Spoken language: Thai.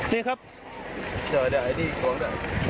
นี่ครับใคร